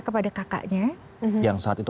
kepada kakaknya yang saat itu